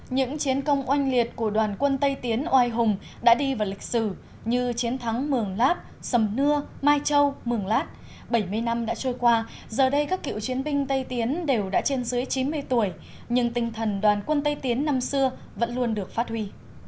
những chiến công oanh liệt của đoàn quân tây tiến oai hùng đã đi vào lịch sử như chiến thắng mường lát sầm nưa mai châu mường lát bảy mươi năm đã trôi qua giờ đây các cựu chiến binh tây tiến đều đã trên dưới chín mươi tuổi nhưng tinh thần đoàn quân tây tiến năm xưa vẫn luôn được phát huy